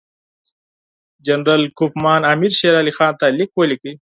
جنرال کوفمان امیر شېر علي خان ته لیک ولیکه.